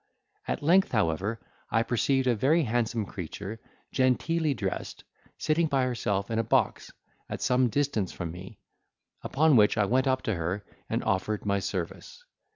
At length, however, I perceived a very handsome creature, genteelly dressed, sitting by herself in a box, at some distance from me; upon which I went up to her, and offered my service.